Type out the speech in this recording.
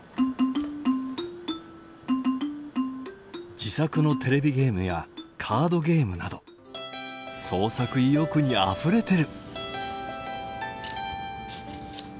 自作のテレビゲームやカードゲームなど創作意欲にあふれてる。